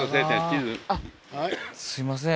すいません